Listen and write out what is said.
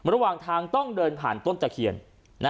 ระหว่างทางต้องเดินผ่านต้นตะเคียน